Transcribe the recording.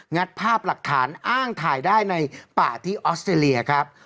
ัดภาพหลักฐานอ้างถ่ายได้ในป่าที่ออสเตรเลียครับ